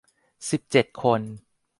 สิบเจ็ด คน